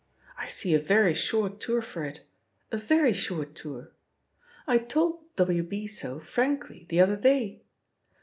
I see a very short tour for it, a very short tour. I told W. B. so frankly the other day.